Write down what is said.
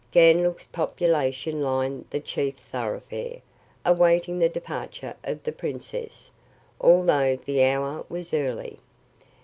Ganlook's population lined the chief thoroughfare, awaiting the departure of the princess, although the hour was early.